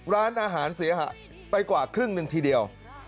ร้านอาหารเสียหายไปกว่าครึ่งหนึ่งทีเดียว